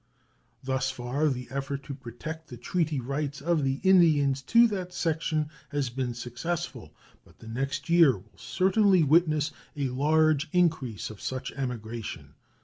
Thus far the effort to protect the treaty rights of the Indians to that section has been successful, but the next year will certainly witness a large increase of such emigration.